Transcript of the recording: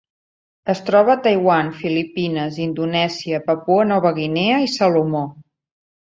Es troba a Taiwan, Filipines, Indonèsia, Papua Nova Guinea i Salomó.